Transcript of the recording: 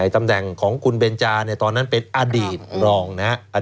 ตำแหน่งของคุณเบนจาเนี่ยตอนนั้นเป็นอดีตรองนะครับ